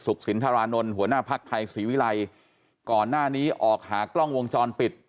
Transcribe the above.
สินทรานนท์หัวหน้าภักดิ์ไทยศรีวิรัยก่อนหน้านี้ออกหากล้องวงจรปิด